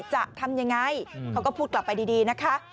จะทำยังไงเขาก็พูดกลับไปดีนะคะ